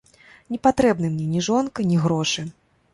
Не патрэбны мне ні жонка, ні грошы.